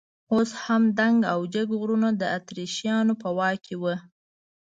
اوس هم دنګ او جګ غرونه د اتریشیانو په واک کې وو.